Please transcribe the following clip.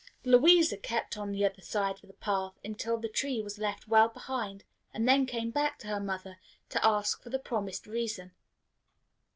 Louisa kept on the other side of the path until the tree was left well behind, and then came back to her mother to ask for the promised reason.